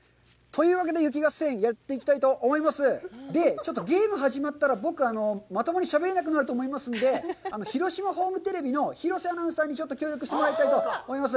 ちょっとゲームが始まったら、僕、まともにしゃべれなくなると思いますので、広島ホームテレビの廣瀬アナウンサーに協力してもらいたいと思います。